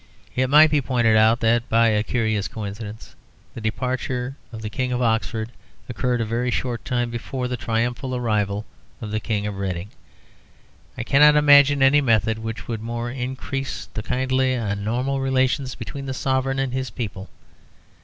It might be pointed out that by a curious coincidence the departure of the King of Oxford occurred a very short time before the triumphal arrival of the King of Reading. I cannot imagine any method which would more increase the kindly and normal relations between the Sovereign and his people.